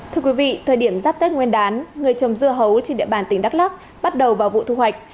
thưa quý vị thời điểm giáp tết nguyên đán người trồng dưa hấu trên địa bàn tỉnh đắk lắc bắt đầu vào vụ thu hoạch